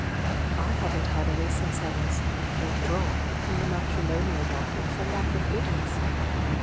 i naven i naa any since 1 was 'withdrawn' from the matrimonial market for lack of bidders.